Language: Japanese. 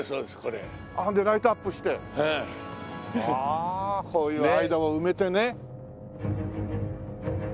ああこういう間を埋めてね。